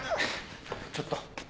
ちょっと。